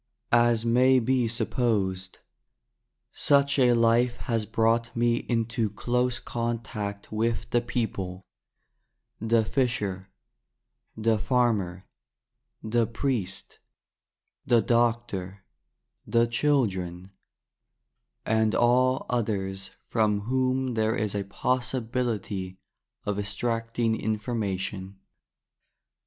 As may be supposed, such a life has brought me into close contact with the people — the fisher, the farmer, the priest, the doctor, the children, and all others from whom there is a possibility of extracting information.